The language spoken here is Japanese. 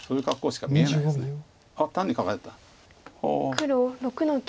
黒６の九。